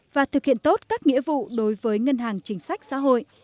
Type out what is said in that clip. và thực hiện tốt các nghĩa vụ đối với ngân hàng chính sách xã hội